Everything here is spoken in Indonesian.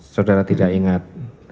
saudara tidak ingat